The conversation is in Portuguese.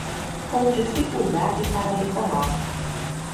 Com dificuldade para decolar